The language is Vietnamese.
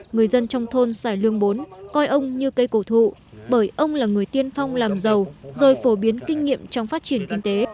người dân trong thôn xài lương bốn coi ông như cây cổ thụ bởi ông là người tiên phong làm giàu rồi phổ biến kinh nghiệm trong phát triển kinh tế